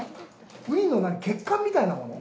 ウニの血管みたいなもの？